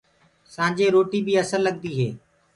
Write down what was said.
سآنجي روٽي بي اسل لگدي هي۔